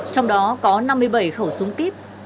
trong đó có năm mươi bảy khẩu súng kíp